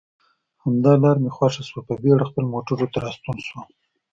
همدا لار مې خوښه شول، په بېړه خپلو موټرو ته راستون شوم.